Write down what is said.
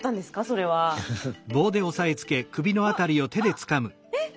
それは。わっ！